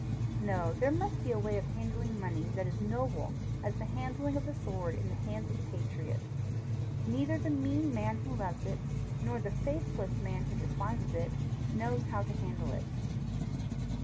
No; there must be a way of handling money that is noble as the handling of the sword in the hands of the patriot. Neither the mean man who loves it, nor the faithless man who despises it, knows how to handle it.